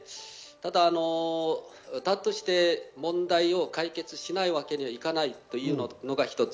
ただ、そうだとして問題を解決しないわけにはいかないというのが一つ。